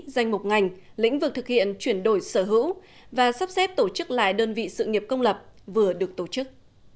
danh mục ngành lĩnh vực thực hiện chuyển đổi sở hữu và sắp xếp tổ chức lại đơn vị sự nghiệp công lập vừa được tổ chức